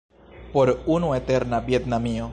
Por unu eterna Vjetnamio.